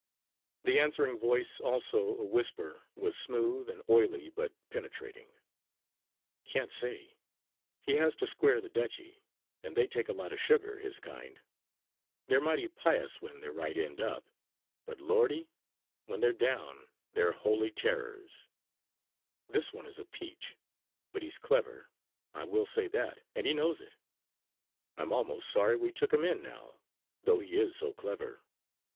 The answering voice, also a whisper, was smooth and oily, but penetrating: "Can't say. He has to square the Dutchy: and they take a lot of sugar, his kind. They're mighty pious when they're right end up; but Lordy! when they're down they're holy terrors. This one is a peach. But he's clever I will say that; and he knows it. I'm almost sorry we took him in now, though he is so clever.